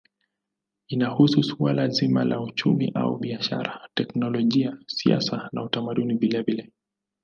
Inahusu suala zima la uchumi au biashara, teknolojia, siasa na utamaduni vilevile.